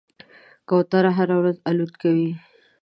کوتره هره ورځ الوت کوي.